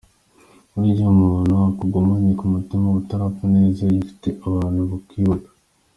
Burya iyo umuntu akugumanye ku mutima uba utarapfa neza iyo ufite abantu bakwibuka.